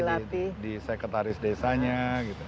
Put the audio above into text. di sekretaris desanya gitu